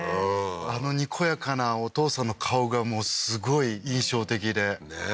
あのにこやかなお父さんの顔がすごい印象的でねえ